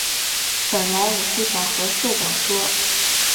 本来我是想跟社长说